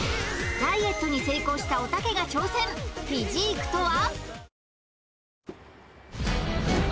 ダイエットに成功したおたけが挑戦フィジークとは？